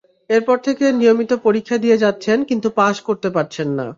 এরপর থেকে নিয়মিত পরীক্ষা দিয়ে যাচ্ছেন, কিন্তু পাস করতে পারছেন না।